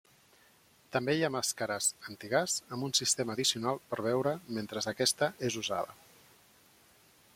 També hi ha màscares antigàs amb un sistema addicional per beure mentre aquesta és usada.